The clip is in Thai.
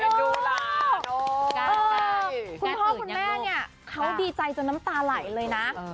คุณพ่อคุณแม่เนี่ยเขาดีใจจนน้ำตาไหลเลยนะ